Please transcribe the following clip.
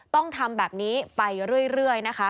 ต้องทำแบบนี้ไปเรื่อยนะคะ